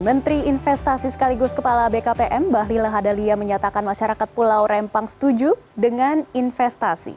menteri investasi sekaligus kepala bkpm bahlil lahadalia menyatakan masyarakat pulau rempang setuju dengan investasi